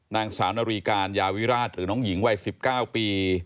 นางสาวนรีการยาวิราชหรือน้องหญิงวัย๑๙ปี